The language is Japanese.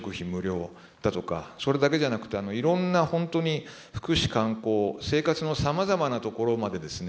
それだけじゃなくていろんな本当に福祉観光生活のさまざまなところまでですね